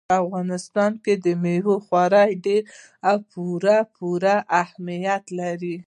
په افغانستان کې مېوې خورا ډېر او پوره پوره اهمیت لري.